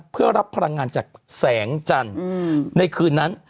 เพื่อรับพลังงานจากแสงจันทร์ในคืนนั้น